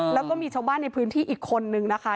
แล้วก็มีชาวบ้านในพื้นที่อีกคนนึงนะคะ